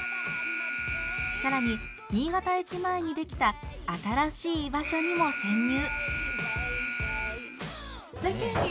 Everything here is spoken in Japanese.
更に新潟駅前に出来た新しい居場所にも潜入。